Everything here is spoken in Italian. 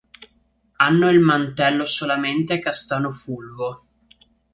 Hanno il mantello solamente castano fulvo.